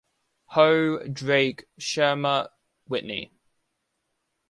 Howe, Drake, Shurmer, Whitney.